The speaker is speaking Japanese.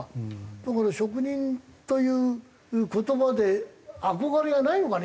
だから「職人」という言葉で憧れがないのかね？